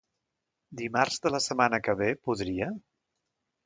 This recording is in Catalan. Dimarts de la setmana que ve podria?